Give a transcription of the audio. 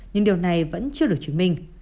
nhưng điều này vẫn chưa được chứng minh